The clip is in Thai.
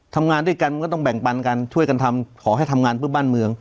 ทำงานด้วยกันมันก็ต้องแบ่งปันกันช่วยกันทำขอให้ทำงานเพื่อบ้านเมือง